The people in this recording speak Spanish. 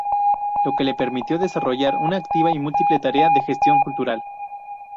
Lo que le permitió desarrollar una activa y múltiple tarea de gestión cultural.